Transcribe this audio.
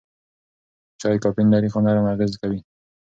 چای کافین لري خو نرم اغېز کوي.